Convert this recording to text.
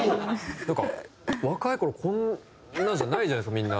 なんか若い頃こんなじゃないじゃないですかみんな。